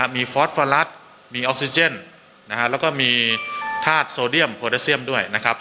มีฟอสฟอลัสมีออกซิเจนแล้วก็มีธาตุโซเดียมโพเดเซียมด้วยนะครับ